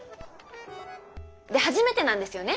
で初めてなんですよね